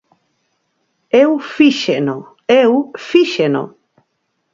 Eu fíxeno, eu fíxeno.